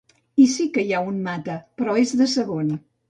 I sí que hi ha un Mata, però és de segon.